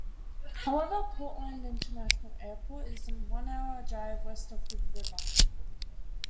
However, Portland International Airport is a one-hour drive west of Hood River.